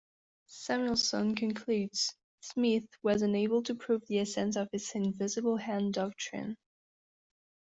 Samuelson concludes: Smith was unable to prove the essence of his invisible-hand doctrine.